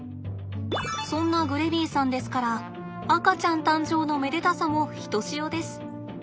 そんなグレビーさんですから赤ちゃん誕生のめでたさもひとしおです。